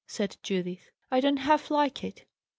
said Judith. "I don't half like it."